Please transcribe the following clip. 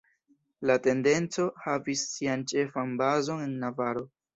La tendenco havis sian ĉefan bazon en Navaro.